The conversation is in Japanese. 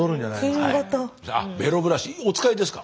ベロブラシお使いですか？